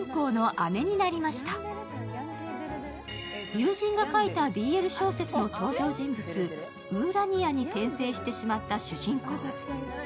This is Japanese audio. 友人が書いたＢＬ小説の登場人物ウーラニアに転生してしまった主人公。